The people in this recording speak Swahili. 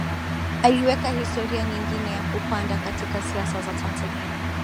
Aliweka historia nyingine ya kupanda katika siasa za Tanzania